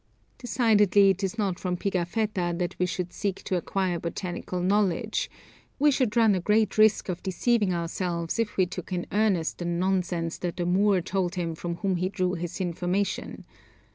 Decidedly it is not from Pigafetta that we should seek to acquire botanical knowledge; we should run a great risk of deceiving ourselves if we took in earnest the nonsense that the Moor told him from whom he drew his information.